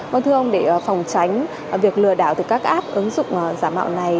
vâng thưa ông để phòng tránh việc lừa đảo từ các app ứng dụng giả mạo này